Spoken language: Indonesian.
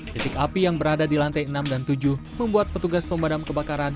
titik api yang berada di lantai enam dan tujuh membuat petugas pemadam kebakaran